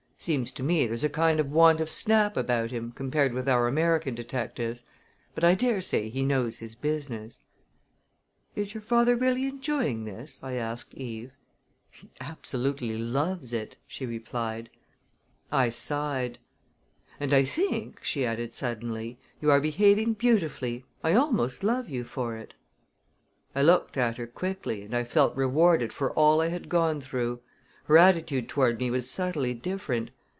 "Seems to me there's a kind of want of snap about him compared with our American detectives; but I dare say he knows his business." "Is your father really enjoying this?" I asked Eve. "He absolutely loves it!" she replied. I sighed. "And I think," she added suddenly, "you are behaving beautifully I almost love you for it." I looked at her quickly and I felt rewarded for all I had gone through. Her attitude toward me was subtly different.